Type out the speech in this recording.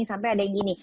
sampai ada yang gini